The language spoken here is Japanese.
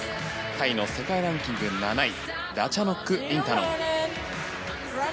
タイの世界ランキング７位ラチャノック・インタノン。